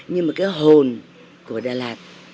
nhưng mà cái hồn của đà lạt